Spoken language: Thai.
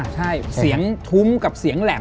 ใช่เสียงทุ้มกับเสียงแหลม